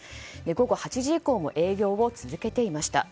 午後８時以降も営業を続けていました。